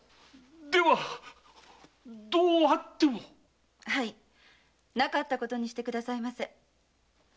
ではどうあっても！はいなかったことにしてくださいませ。